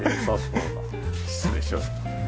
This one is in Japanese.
失礼します。